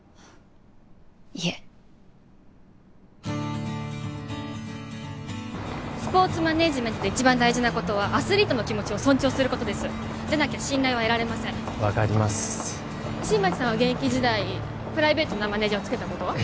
いいえスポーツマネージメントで一番大事なことはアスリートの気持ちを尊重することですじゃなきゃ信頼は得られません分かります新町さんは現役時代プライベートなマネージャーをつけたことは？